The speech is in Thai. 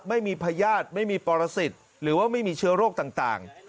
ไม่มีพยาธิไม่มีปอลาสิตหรือว่าไม่มีเชื้อโรคต่าง